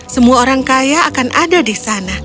semua orang kaya akan ada di sana